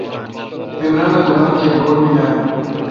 عمران اے° دکان کلکوٹ مے نان۔